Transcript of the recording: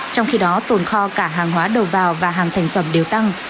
trong khi đó tồn kho cả hàng hóa đầu vào và hàng thành phẩm đều tăng